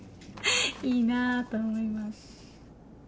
いいなと思います。